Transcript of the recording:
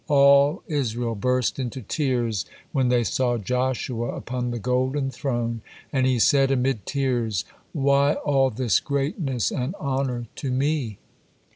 All Israel burst into tears when they saw Joshua upon the golden throne, and he said amid tears, "why all this greatness and honor to me?"